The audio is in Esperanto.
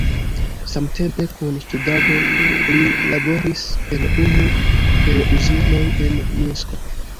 Samtempe kun studado, li laboris en unu el uzinoj en Minsko.